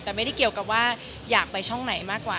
แต่ไม่ได้เกี่ยวกับว่าอยากไปช่องไหนมากกว่า